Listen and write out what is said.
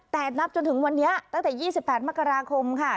แต่นับจนถึงวันเนี้ยตั้งแต่ยี่สิบแปดมกราคมค่ะ